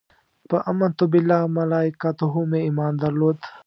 په امنت بالله ملایکته مې ایمان درلود.